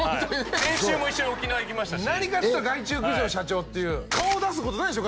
先週も一緒に沖縄行きましたし何かっつったら害虫駆除の社長顔を出すことないでしょ